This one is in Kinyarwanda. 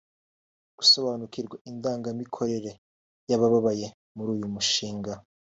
Gusobanukirwa indangamikorere y’ababaye muri uyu mushinga